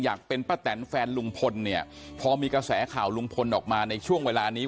เป็นป้าแตนแฟนลุงพลเนี่ยพอมีกระแสข่าวลุงพลออกมาในช่วงเวลานี้